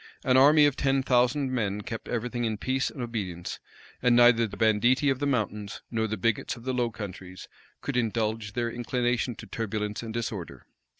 An army of ten thousand men[] kept everything in peace and obedience; and neither the banditti of the mountains nor the bigots of the Low Countries could indulge their inclination to turbulence and disorder.